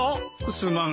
すまん。